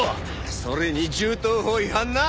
それに銃刀法違反な！